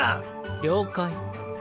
了解。